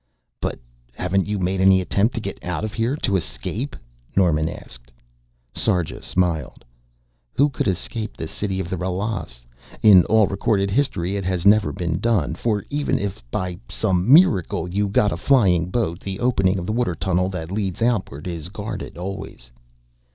"But haven't you made any attempt to get out of here to escape?" Norman asked. Sarja smiled. "Who could escape the city of the Ralas? In all recorded history it has never been done, for even if by some miracle you got a flying boat, the opening of the water tunnel that leads outward is guarded always."